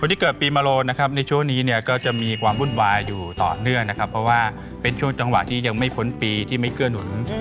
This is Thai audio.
ที่เกิดปีมาโลนะครับในช่วงนี้เนี่ยก็จะมีความวุ่นวายอยู่ต่อเนื่องนะครับเพราะว่าเป็นช่วงจังหวะที่ยังไม่พ้นปีที่ไม่เกื้อหนุน